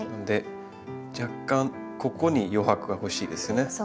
で若干ここに余白が欲しいですよね。